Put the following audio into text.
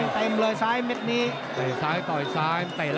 มันต้องอย่างงี้มันต้องอย่างงี้